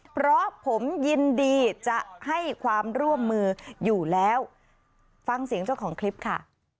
เพราะผมยินดีจะให้ความร่วมมืออยู่แล้วฟังเสียงเจ้าของคลิปค่ะ